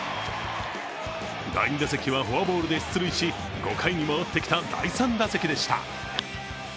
２打席目はフォアボールで出塁し５回に回ってきた第３打席でした。